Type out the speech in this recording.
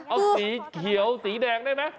เอาสีเขียวสีแดงได้ไหม